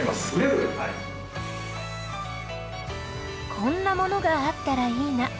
こんなものがあったらいいな